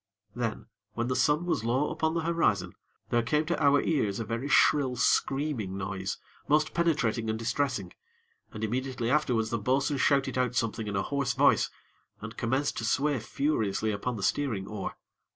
Then, when the sun was low upon the horizon, there came to our ears a very shrill, screaming noise, most penetrating and distressing, and, immediately afterwards the bo'sun shouted out something in a hoarse voice, and commenced to sway furiously upon the steering oar.